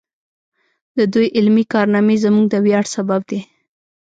د دوی علمي کارنامې زموږ د ویاړ سبب دی.